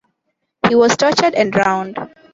He was tortured and drowned.